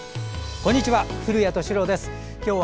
こんにちは。